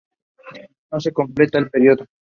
No se completa el periodo.